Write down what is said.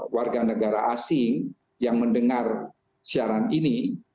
warga negara asing yang mendengar siaran ini